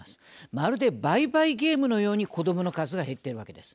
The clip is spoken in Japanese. まるで倍々ゲームのように子どもの数が減っているわけです。